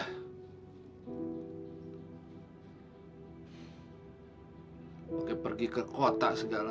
pakai pergi ke kota segala